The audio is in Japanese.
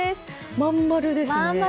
真ん丸ですね。